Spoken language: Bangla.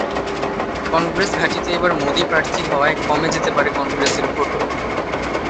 কংগ্রেস ঘাঁটিতে এবার মোদি প্রার্থী হাওয়ায় কমে যেতে পারে কংগ্রেসের ভোটও।